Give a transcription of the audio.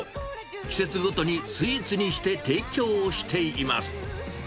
季節ごとにスイーツにして提供しています。